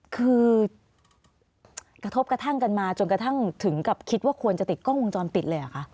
คือกระทบกระทั่งกันมาจนกระทั่งถึงกับคิดว่าควรจะติดกล้องวงจรปิดเลยเหรอคะ